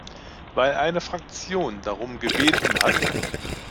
Weil eine Fraktion darum gebeten hat.